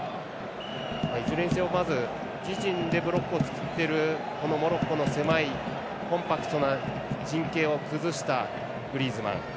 いずれにせよ自陣でブロックを作っているモロッコの狭いコンパクトな陣形を崩したグリーズマン。